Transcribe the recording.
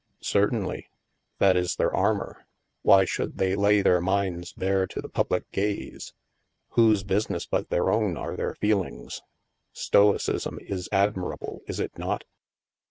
" Certainly. That is their armor. Why should they lay their minds bare to the public gaze ? Whose business, but their own, are their feelings? Stoi cism is admirable, is it not